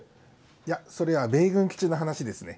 いやそれは米軍基地の話ですね。